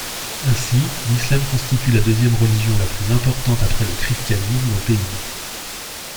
Ainsi, l'islam constitue la deuxième religion la plus importante après le christianisme aux Pays-Bas.